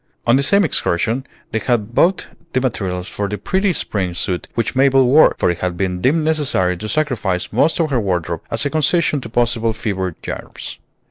On the same excursion they had bought the materials for the pretty spring suit which Mabel wore, for it had been deemed necessary to sacrifice most of her wardrobe as a concession to possible fever germs.